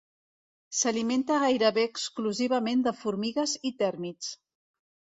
S'alimenta gairebé exclusivament de formigues i tèrmits.